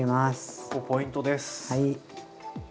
ここポイントです。